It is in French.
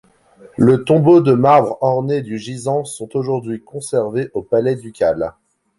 Le tombeau de marbre orné du gisant sont aujourd'hui conservés au palais ducal.